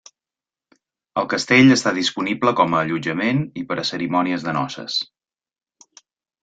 El castell està disponible com a allotjament i per a cerimònies de noces.